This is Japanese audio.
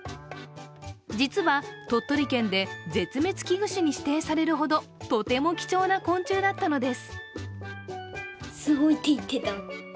実は鳥取県で絶滅危惧種に指定されるほどとっても貴重な昆虫だったんです。